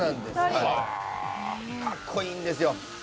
かっこいいんですよ。